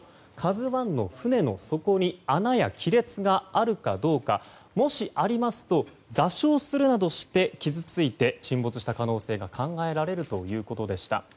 「ＫＡＺＵ１」の船の底に穴や亀裂があるかどうかもし、ありますと座礁するなどして傷ついて沈没した可能性が考えられるということでした。